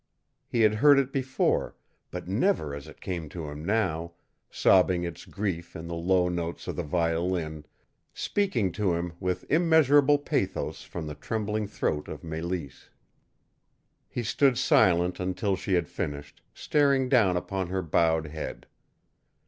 He had heard it before, but never as it came to him now, sobbing its grief in the low notes of the violin, speaking to him with immeasurable pathos from the trembling throat of Mélisse. He stood silent until she had finished, staring down upon her bowed head.